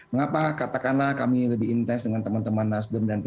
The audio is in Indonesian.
mengapa katakanlah kami lebih intens dengan teman teman nasional